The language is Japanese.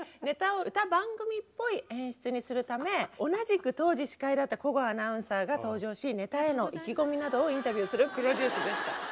ネタを歌番組っぽい演出にするため同じく当時司会だった小郷アナウンサーが登場しネタへの意気込みなどをインタビューするプロデュースでした。